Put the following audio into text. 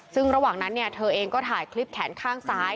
ซึ่งระหว่างนั้นเธอเองก็ถ่ายคลิปแขนข้างซ้าย